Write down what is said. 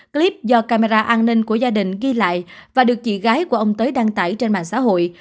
clip do camera an ninh của gia đình ghi lại và được chị gái của ông tới đăng tải trên mạng xã hội